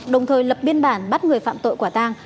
đồng thời lập biên bản bắt người phạm tội quả tang